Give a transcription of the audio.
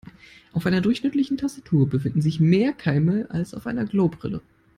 Auf einer durchschnittlichen Tastatur befinden sich mehr Keime als auf einer Klobrille.